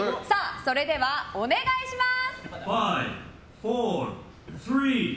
それではお願いします！